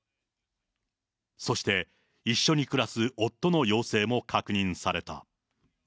そして、一緒に暮らす夫の陽性も確認された。